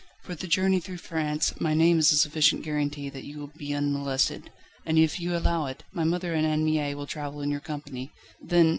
For the journey through France, my name is a sufficient guarantee that you will be unmolested; and if you will allow it, my mother and Anne Mie will travel in your company. Then